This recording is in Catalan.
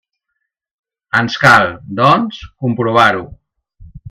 Ens cal, doncs, comprovar-ho.